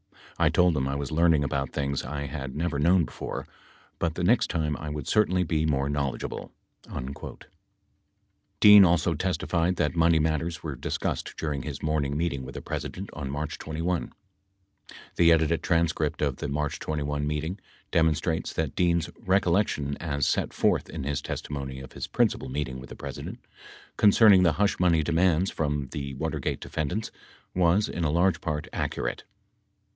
I told him I was learning about things I had never known before, but the next time I would certainly be more knowledgeable ..." 19 Dean also testified that money matters were discussed during his morning meeting with the President on March 21. 20 The edited transcript of the March 21 meeting demonstrates that Dean's recollection as set forth in his testimony of his principal meet ing with the President concerning the hush money demands from the Watergate defendants was in a large part accurate.